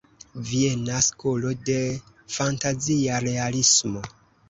Viena skolo de fantazia realismo.